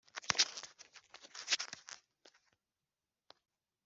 gakumba avuga ko we na charlotte bari bamaze imyaka bakundaga